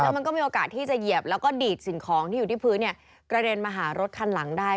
มันก็มีโอกาสที่จะเหยียบแล้วก็ดีดสิ่งของที่อยู่ที่พื้นเนี่ยกระเด็นมาหารถคันหลังได้